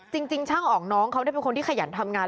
จริงช่างอ๋องน้องเขาเป็นคนที่ขยันทำงาน